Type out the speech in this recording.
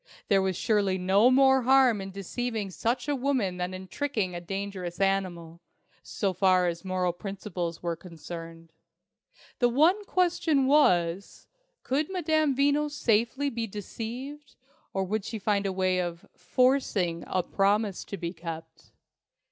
There was surely no more harm in deceiving such a woman than in tricking a dangerous animal, so far as moral principles were concerned. The one question was, could Madame Veno safely be deceived, or would she find a way of forcing a promise to be kept?